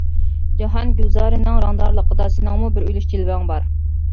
جاھان گۈلزارىنىڭ رەڭدارلىقىدا سېنىڭمۇ بىر ئۈلۈش جىلۋەڭ بار.